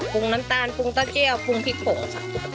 งน้ำตาลปรุงตะเกี้ยวปรุงพริกโขค่ะ